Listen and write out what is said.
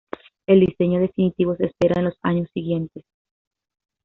El diseño definitivo se espera en los años siguientes.